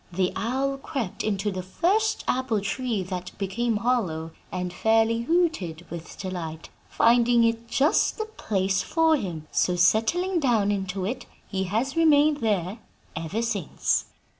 The owl crept into the first apple tree that became hollow, and fairly hooted with delight, finding it just the place for him; so, settling down into it, he has remained there ever since.'